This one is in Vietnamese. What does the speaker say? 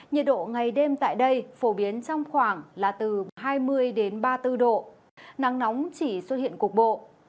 nhiệt độ ngày đêm tại đây phổ biến trong khoảng là từ hai mươi ba mươi bốn độ nắng nóng chỉ xuất hiện cục bộ